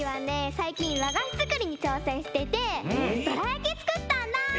さいきんわがしづくりにちょうせんしててどらやきつくったんだ！